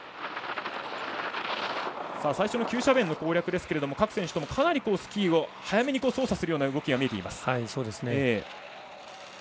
最初の急斜面の攻略ですけど各選手ともかなりスキーを早めに操作するような動きが見えています。